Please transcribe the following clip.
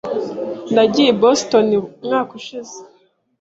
Nagiye i Boston umwaka ushize.